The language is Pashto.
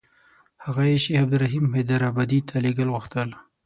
هغه یې شیخ عبدالرحیم حیدارآبادي ته لېږل غوښتل.